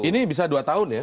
ini bisa dua tahun ya